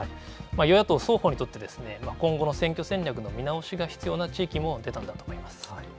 与野党双方にとって今後の選挙戦略の見直しが必要な地域も出たんだと思います。